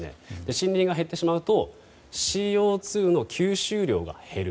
森林が減ってしまうとＣＯ２の吸収量が減る。